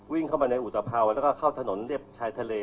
วิ่งเข้ามาในอุตภาวแล้วก็เข้าถนนเรียบชายทะเล